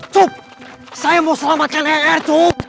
cukup saya mau selamatkan rr cukup